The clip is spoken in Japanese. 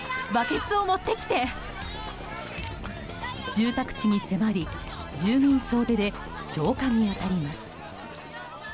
住宅地に迫り、住民総出で消火に当たります。